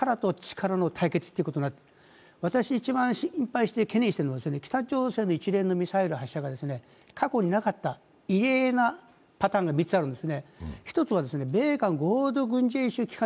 結局は、力と力の対決ということになっていて、私、一番心配して懸念しているのは北朝鮮の一連のミサイル発射が過去になかった異例なパターンが３つあるんです。